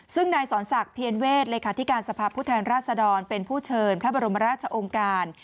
ซึ่งนายสอนศักดิ์เพียรเวศเลขาธิการสภาพผู้แทนราชดรเป็นผู้เชิญพระบรมราชองค์การ